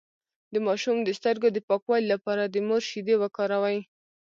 د ماشوم د سترګو د پاکوالي لپاره د مور شیدې وکاروئ